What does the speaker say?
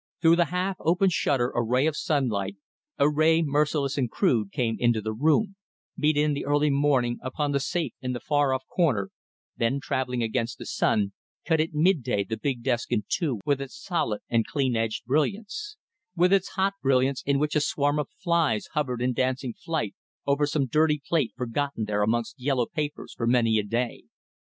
Through the half open shutter a ray of sunlight, a ray merciless and crude, came into the room, beat in the early morning upon the safe in the far off corner, then, travelling against the sun, cut at midday the big desk in two with its solid and clean edged brilliance; with its hot brilliance in which a swarm of flies hovered in dancing flight over some dirty plate forgotten there amongst yellow papers for many a day.